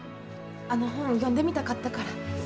あの本読んでみたかったから。